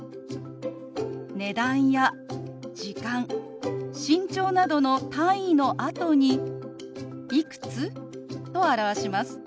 値段や時間身長などの単位のあとに「いくつ？」と表します。